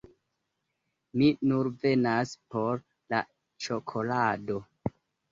Mi nur venas por la ĉokolado